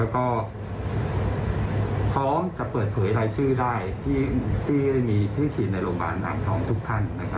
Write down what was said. ขอจะเปิดเผยรายชื่อได้ที่มีที่ฉีดในโรงพยาบาลอ่างท้องทุกท่าน